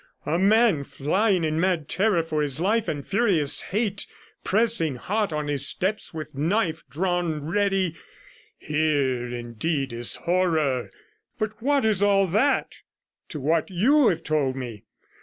A man flying in mad terror for his life, and furious hate pressing hot on his steps with knife drawn ready; here, indeed, is horror; but what is all that to what you have told me?